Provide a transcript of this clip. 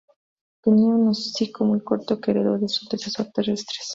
Tenía un hocico muy corto que heredó de su antecesor terrestres.